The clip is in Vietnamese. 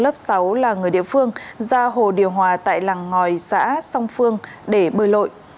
lớp sáu là người địa phương ra hồ điều hòa tại làng ngòi xã song phương để bơi lội